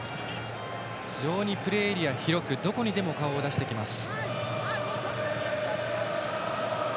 非常にプレーエリアが広くどこにでも顔を出してきます。